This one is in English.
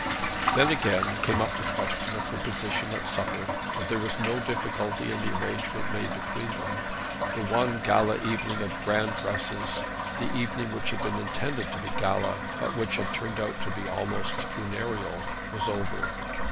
Then again came up the question of her position at supper, but there was no difficulty in the arrangement made between them. The one gala evening of grand dresses the evening which had been intended to be a gala, but which had turned out to be almost funereal was over.